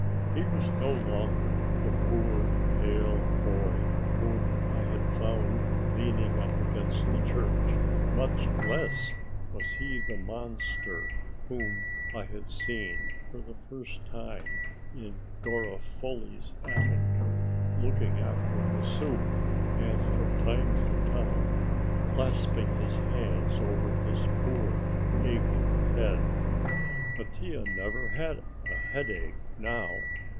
He was no longer the poor, pale boy whom I had found leaning up against the church; much less was he the monster whom I had seen for the first time in Garofoli's attic, looking after the soup, and from time to time clasping his hands over his poor aching head. Mattia never had a headache now.